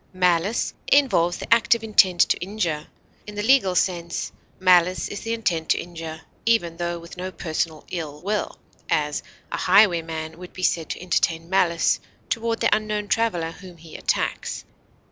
Malice involves the active intent to injure; in the legal sense, malice is the intent to injure, even tho with no personal ill will; as, a highwayman would be said to entertain malice toward the unknown traveler whom he attacks.